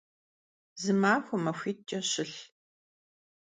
Zı maxue - maxuit'ç'e şılh!